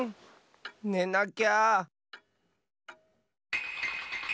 ねなきゃ。